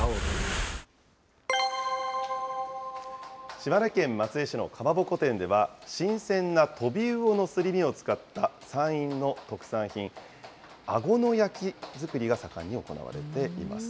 島根県松江市のかまぼこ店では、新鮮なトビウオのすり身を使った山陰の特産品、あご野焼き作りが盛んに行われています。